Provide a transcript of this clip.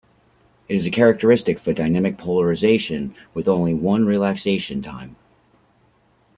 It is characteristic for dynamic polarization with only one relaxation time.